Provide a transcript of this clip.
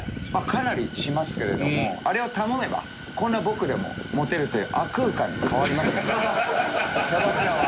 かなりしますけれどもあれを頼めばこんな僕でもモテるという亜空間に変わりますのでキャバクラは。